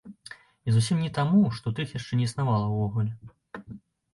І зусім не таму, што тых яшчэ не існавала ўвогуле.